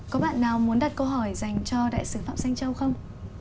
có bạn nào muốn đặt câu hỏi dành cho đại sứ pháp xanh châu không